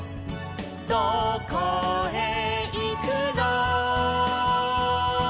「どこへいくの」